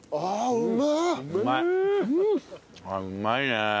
うまいね。